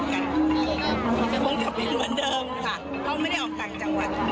ต้องไม่ได้ออกต่างจังหวัด